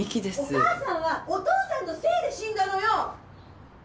・お母さんはお父さんのせいで死んだのよ！